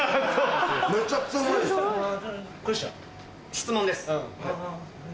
質問です。